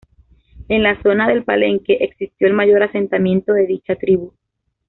En la zona de Palenque existió el mayor asentamiento de dicha tribu.